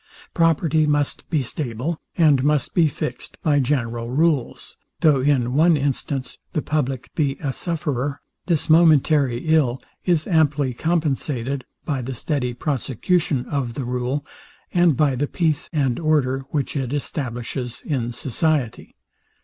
Property must be stable, and must be fixed by general rules. Though in one instance the public be a sufferer, this momentary ill is amply compensated by the steady prosecution of the rule, and by the peace and order, which it establishes in society.